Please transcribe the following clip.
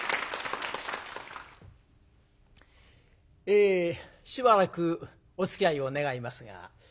えしばらくおつきあいを願いますが。